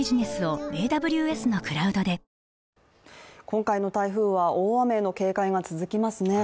今回の台風は大雨の警戒が続きますね。